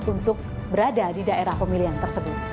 untuk berada di daerah pemilihan tersebut